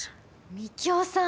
幹夫さん！